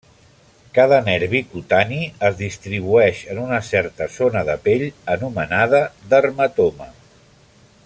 Cada nervi cutani es distribueix en una certa zona de pell, anomenada dermatoma.